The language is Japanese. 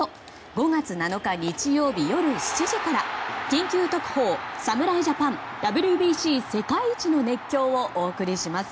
５月７日、日曜日夜７時から「緊急特報！侍ジャパンＷＢＣ世界一の熱狂！」をお送りします。